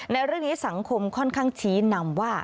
ในเรื่องนี้สังคมค่อนข้างชี้นำว่า